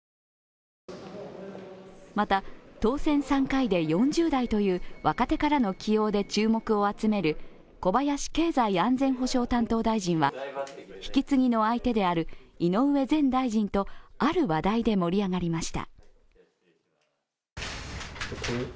また当選３回で４０代という若手からの起用で注目を集める小林経済安全保障担当大臣は引き継ぎの相手である井上前大臣とある話題で盛り上がりました。